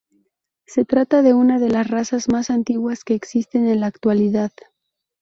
Se trata de una de las razas más antiguas que existen en la actualidad.